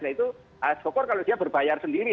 nah itu syukur kalau dia berbayar sendiri